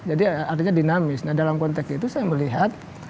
artinya dinamis nah dalam konteks itu saya melihat